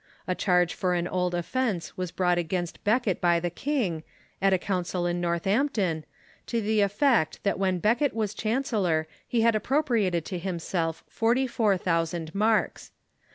A cliarge for an old offence was brought against Becket by the king, at a coun cil in Northampton, to the effect that when Becket was chancel lor he had appropriated to himself forty four thousand marks.